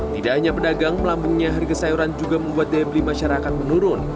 tidak hanya pedagang melambungnya harga sayuran juga membuat daya beli masyarakat menurun